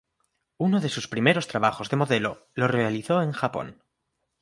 Uno de sus primeros trabajos de modelo lo realizó en Japón.